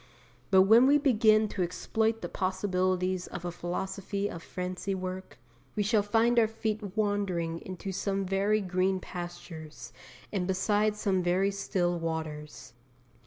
But when we begin to exploit the possibilities of a Philosophy of Fancy work, we shall find our feet wandering into some very green pastures and beside some very still waters.